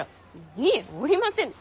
いえおりませぬ！